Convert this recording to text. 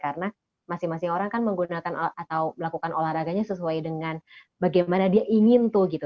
karena masing masing orang kan menggunakan atau melakukan olahraganya sesuai dengan bagaimana dia ingin tuh gitu